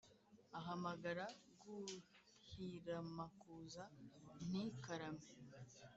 Ahamagara Rwuhiramakuza, nti: Karame